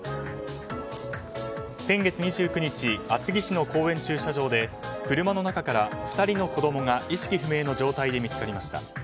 先月２９日厚木市の公園駐車場で車の中から２人の子供が意識不明の状態で見つかりました。